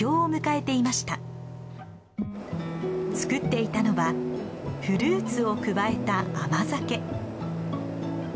作っていたのはフルーツを加えた甘酒。